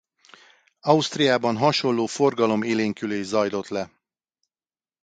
Ausztriában hasonló forgalom-élénkülés zajlott le.